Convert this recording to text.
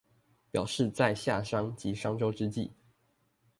表示在夏商及商周之際